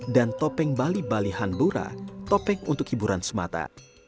dan topeng bali balihan bura topeng untuk hiburan semata